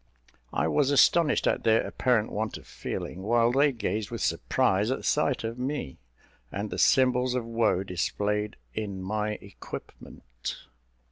I was astonished at their apparent want of feeling; while they gazed with surprise at the sight of me, and the symbols of woe displayed in my equipment.